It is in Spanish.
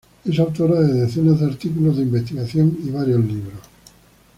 Es autora de decenas de artículos de investigación y varios libros.